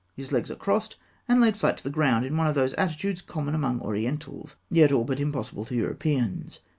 His legs are crossed and laid flat to the ground in one of those attitudes common among Orientals, yet all but impossible to Europeans.